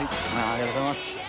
ありがとうございます。